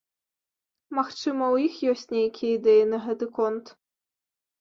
Магчыма, у іх ёсць нейкія ідэі на гэты конт.